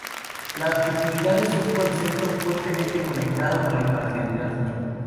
La objetividad es un concepto fuertemente conectado con la imparcialidad.